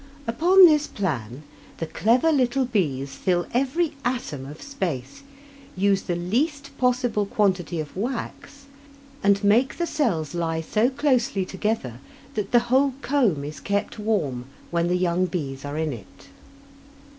Upon this plan the clever little bees fill every atom of space, use the least possible quantity of wax, and make the cells lie so closely together that the whole comb is kept warm when the young bees are in it.